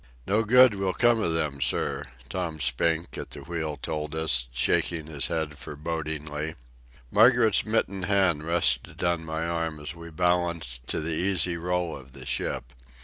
"No good will come of them, sir," Tom Spink, at the wheel, told us, shaking his head forebodingly. Margaret's mittened hand rested on my arm as we balanced to the easy roll of the ship.